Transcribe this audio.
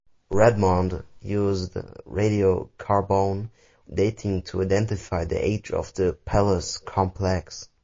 Redmond used radiocarbon dating to identify the age of the palace complex.